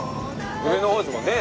上の方ですもんね。